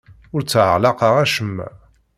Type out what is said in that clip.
Ur tteɣlaqeɣ acemma.